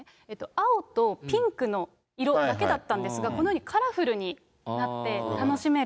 青とピンクの色だけだったんですが、このようにカラフルになって楽しめる。